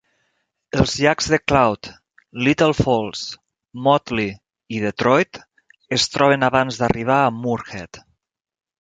Els llacs de Cloud, Little Falls, Motley i Detroit es troben abans d'arribar a Moorhead.